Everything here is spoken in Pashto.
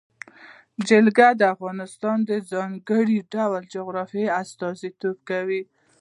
جلګه د افغانستان د ځانګړي ډول جغرافیه استازیتوب کوي.